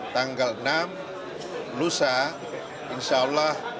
tanggal enam lusa insya allah